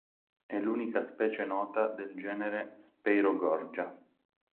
È l'unica specie nota del genere Speirogorgia.